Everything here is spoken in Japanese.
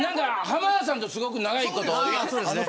浜田さんとすごく長いことね。